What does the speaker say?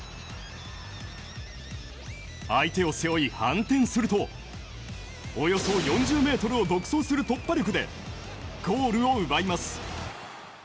相手を背負い、反転するとおよそ４０ｍを独走する突破力でゴールを奪います。